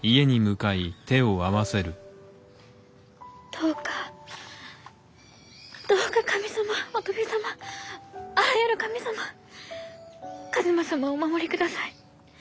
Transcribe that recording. どうかどうか神様仏様あらゆる神様一馬様をお守りください。